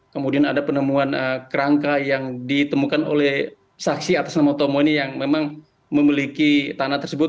kemudian ada penemuan kerangka yang ditemukan oleh saksi atas nama tomo ini yang memang memiliki tanah tersebut